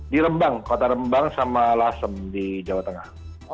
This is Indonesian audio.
di rembang kota rembang sama lasem di jawa tengah